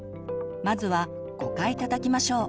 まずは５回たたきましょう。